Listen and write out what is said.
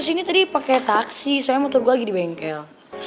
kesini tadi pakai taksi soalnya motor gue lagi di bengkel